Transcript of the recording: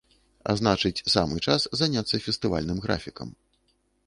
А значыць, самы час заняцца фестывальным графікам.